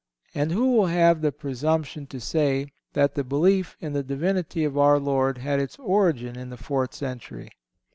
And who will have the presumption to say that the belief in the Divinity of our Lord had its origin in the fourth century?